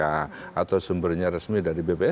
atau sumbernya resmi dari bps